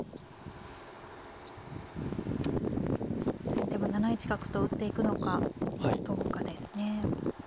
先手は７一角と打っていくのかどうかですね。